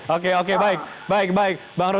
oke oke baik baik baik